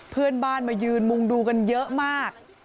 เพื่อนบ้านมายืนมุงดูกันเยอะมาก